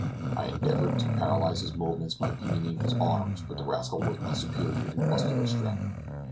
I endeavored to paralyze his movements by pinioning his arms, but the rascal was my superior in muscular strength.